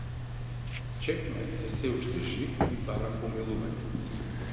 Чепмен е сѐ уште жив и бара помилување.